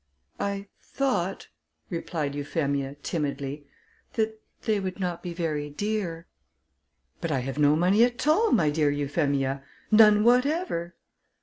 "I thought," replied Euphemia, timidly, "that they would not be very dear." "But I have no money at all, my dear Euphemia; none whatever."